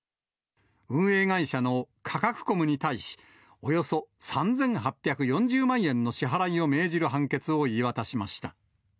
運営会社のカカクコムに対し、およそ３８４０万円の支払いを命じる判決を言い渡しました。